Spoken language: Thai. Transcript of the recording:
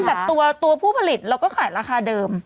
น่าร่าห้างขึ้นแบบตัวผู้ผลิตเราก็ขายราคาเดิม